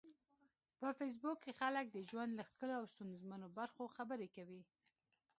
په فېسبوک کې خلک د ژوند له ښکلو او ستونزمنو برخو خبرې کوي